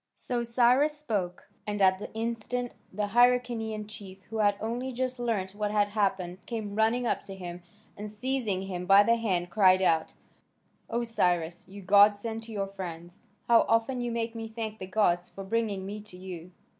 So Cyrus spoke. And at that instant the Hyrcanian chief, who had only just learnt what had happened, came running up to him, and seizing him by the hand cried out: "O Cyrus, you godsend to your friends! How often you make me thank the gods for bringing me to you!"